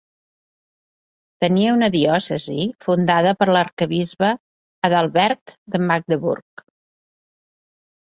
Tenia una diòcesi fundada per l'arquebisbe Adalbert de Magdeburg.